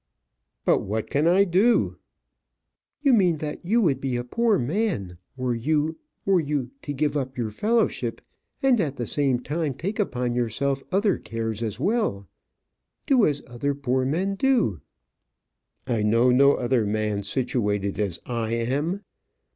"But what can I do?" "You mean that you would be a poor man, were you were you to give up your fellowship and at the same time take upon yourself other cares as well. Do as other poor men do." "I know no other man situated as I am."